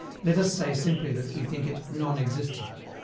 Let us say simply that we think it "non existent."